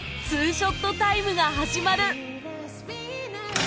ショットタイムが始まる